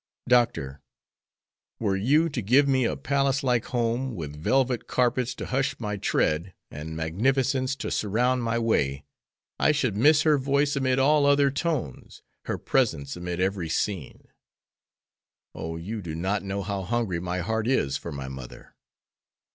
Doctor, were you to give me a palace like home, with velvet carpets to hush my tread, and magnificence to surround my way, I should miss her voice amid all other tones, her presence amid every scene. Oh, you do not know how hungry my heart is for my mother!